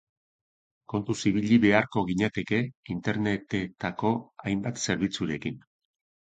Kontuz ibili beharko ginateke Interneteko hainbat zerbitzurekin.